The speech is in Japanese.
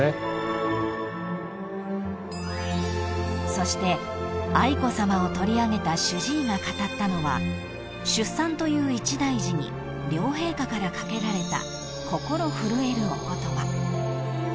［そして愛子さまを取り上げた主治医が語ったのは出産という一大事に両陛下から掛けられた］